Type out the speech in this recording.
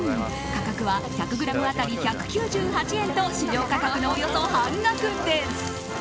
価格は１００ｇ当たり１９８円と市場価格のおよそ半額です。